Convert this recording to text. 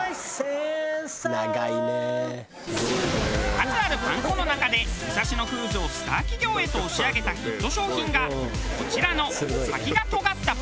数あるパン粉の中で武蔵野フーズをスター企業へと押し上げたヒット商品がこちらの先が尖ったパン粉。